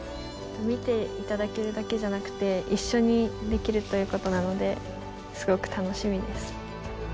見ていただけるだけじゃなくて、一緒にできるということなので、すごく楽しみです。